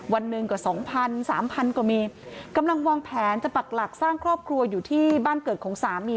วันหนึ่งก็๒๐๐๐๓๐๐๐กว่ามีกำลังวางแผนจะปรักหลักสร้างครอบครัวอยู่ที่บ้านเกิดของสามี